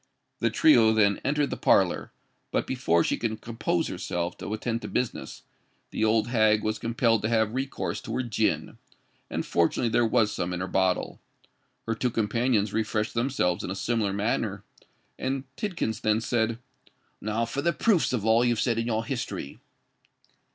The trio then entered the parlour: but before she could compose herself to attend to business, the old hag was compelled to have recourse to her gin; and fortunately there was some in her bottle. Her two companions refreshed themselves in a similar manner; and Tidkins then said, "Now for the proofs of all you've said in your history."